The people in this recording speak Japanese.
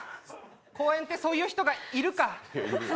公園ってそういう人がいるか。